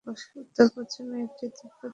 উত্তর-পশ্চিমে এটি তিব্বত দ্বারা আবদ্ধ।